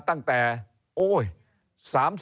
เริ่มตั้งแต่หาเสียงสมัครลง